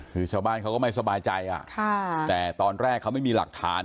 คือชาวบ้านเขาก็ไม่สบายใจแต่ตอนแรกเขาไม่มีหลักฐาน